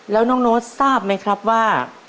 แล้วน้องโน้ตทราบไหมครับว่า